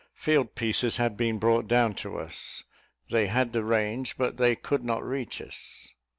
Field pieces had been brought down to us. They had the range, but they could not reach us.